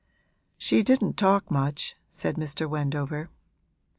'She didn't talk much,' said Mr. Wendover.